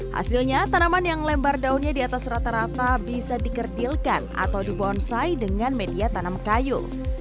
hasilnya tanaman yang lembar daunnya di atas rata rata bisa dikerdilkan atau dibonsai dengan media tanam kayu